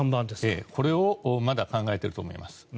これをまだ考えていると思います。